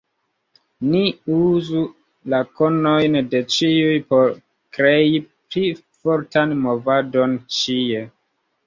Ni uzu la konojn de ĉiuj por krei pli fortan movadon ĉie.